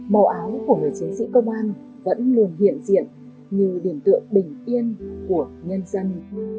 màu áo của người chiến sĩ công an vẫn luôn hiện diện như điểm tượng bình yên của nhân dân